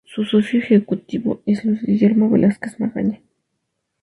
Su socio ejecutivo es Luis Guillermo Velásquez Magaña.